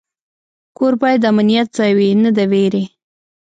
کور باید د امنیت ځای وي، نه د ویرې.